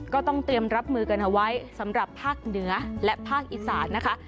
ก็ต้องเตรียมรับมือกันเอาไว้สำหรับภาคเหนือและภาคอีสานนะคะ